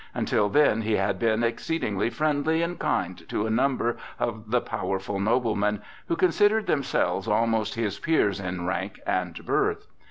Until then he had been exceedingly friendly and kind to a number of the powerful noblemen, who considered themselves almost his peers in rank and birth.